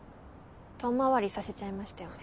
遠回りさせちゃいましたよね。